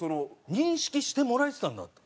認識してもらえてたんだって。